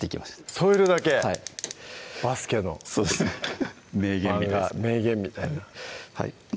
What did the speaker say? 添えるだけバスケのそうですね名言みたいですね